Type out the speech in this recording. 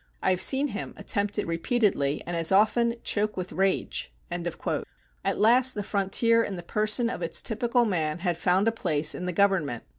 I have seen him attempt it repeatedly and as often choke with rage." At last the frontier in the person of its typical man had found a place in the Government.